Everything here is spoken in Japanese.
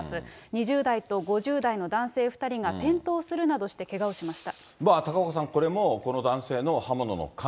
２０代と５０代の男性２人が転倒するなどしてけがをしました。